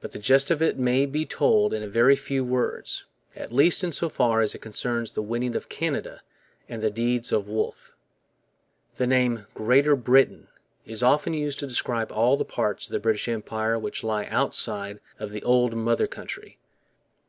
But the gist of it may be told in a very few words, at least in so far as it concerns the winning of Canada and the deeds of Wolfe. The name 'Greater Britain' is often used to describe all the parts of the British Empire which lie outside of the old mother country.